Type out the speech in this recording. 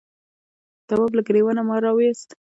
تواب له گرېوانه مار راوایست.